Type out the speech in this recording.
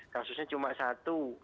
kasusnya cuma satu